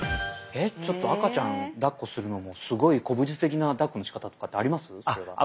えっちょっと赤ちゃんだっこするのもすごい古武術的なだっこのしかたとかってあります？